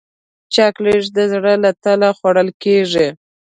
چاکلېټ د زړه له تله خوړل کېږي.